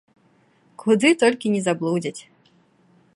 Куды толькі не заблудзяць.